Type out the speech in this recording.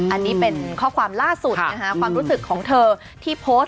อันนี้เป็นข้อความล่าสุดนะคะความรู้สึกของเธอที่โพสต์